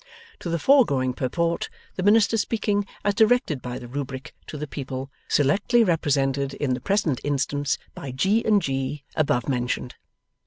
To the foregoing purport, the Minister speaking, as directed by the Rubric, to the People, selectly represented in the present instance by G. and G. above mentioned.